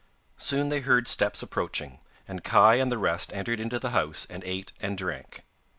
Soon they heard steps approaching, and Kai and the rest entered into the house and ate and drank.